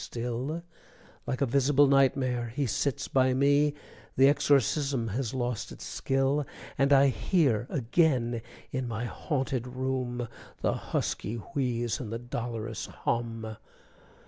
_" still Like a visible nightmare he sits by me, The exorcism has lost its skill; And I hear again in my haunted room The husky wheeze and the dolorous hum!